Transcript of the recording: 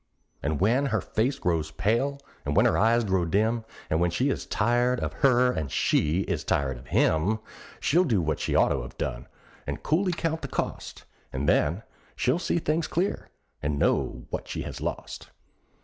And when her face grows pale, and when her eyes grow dim, And when he is tired of her and she is tired of him, She'll do what she ought to have done, and coolly count the cost; And then she'll see things clear, and know what she has lost.